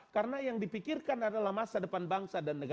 karena yang dipikirkan adalah masa depan bangsa dan negara